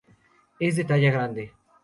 Es de talla grande.